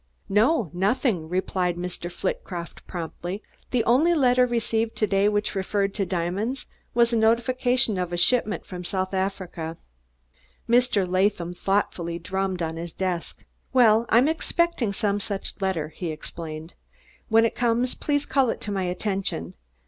"No, nothing," replied Mr. Flitcroft promptly. "The only letter received to day which referred to diamonds was a notification of a shipment from South Africa." Mr. Latham thoughtfully drummed on his desk. "Well, I'm expecting some such letter," he explained. "When it comes please call it to my attention.